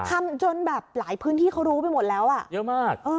ทำจนแบบหลายพื้นที่เขารู้ไปหมดแล้วอ่ะเยอะมาก